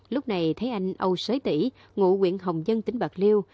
lúc này thấy anh âu sới tỷ ngụ quyện hồng dân tỉnh bạc liêu